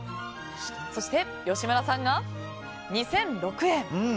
そして、吉村さんが２００６円。